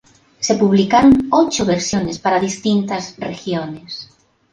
Se publicaron ocho versiones para distintas regiones.